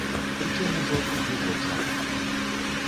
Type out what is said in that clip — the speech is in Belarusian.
Прычым ужо другі год запар.